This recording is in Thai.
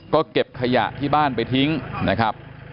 ก็เก็บขยะที่บ้านไปทิ้งนะครับ